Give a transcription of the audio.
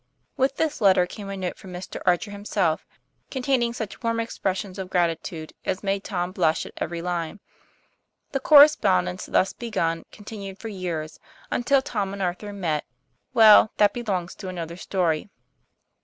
With this letter came a note from Mr. Archer himself, containing such warm expressions of gratitude as made Tom blush at every line. The correspondence thus begun continued for years, unti. 1 Tom and Arthur met well that belongs to another story.